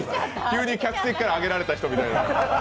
急に客席からあげられた人みたいな。